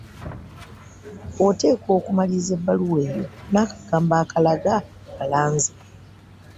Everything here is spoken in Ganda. Oteekwa okumaliriza ebbaluwa eyo n’akagambo akalaga alanze